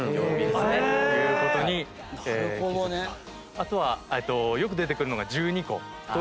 あとはよく出てくるのが。